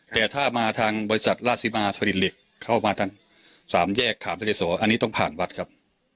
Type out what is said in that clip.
แต่ถ้ามาทางบริษัทราซิมาทอลินลิกเข้ามาทางสามแยกขามทะเลโสอันนี้ต้องผ่านวัดครับ